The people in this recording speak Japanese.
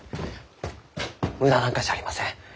無駄なんかじゃありません。